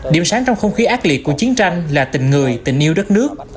điểm sáng trong không khí ác liệt của chiến tranh là tình người tình yêu đất nước